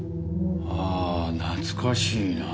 ああ懐かしいなあ。